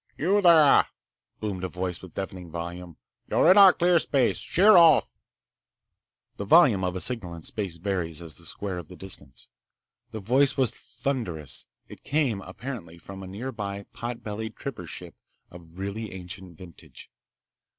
"You there!" boomed a voice with deafening volume. "You're in our clear space! Sheer off!" The volume of a signal in space varies as the square of the distance. This voice was thunderous. It came apparently from a nearby, pot bellied tripper ship of really ancient vintage.